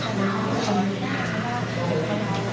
แต่ล่ะถ้าผู้ชายไปโบงเงิน๑๕๐๐๐ต้องเป็นเวลาเหลียนโบง